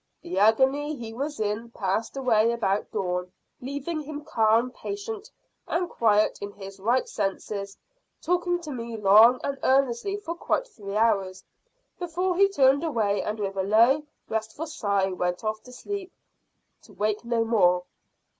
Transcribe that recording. "The agony he was in passed away about dawn, leaving him calm, patient, and quite in his right senses, talking to me long and earnestly for quite three hours, before he turned away and with a low restful sigh went off to sleep to wake no more."